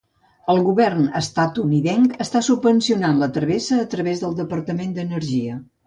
El govern estatunidenc està subvencionant la travessa a través del Departament d'Energia.